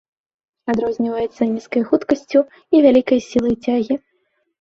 Адрозніваецца нізкай хуткасцю і вялікай сілай цягі.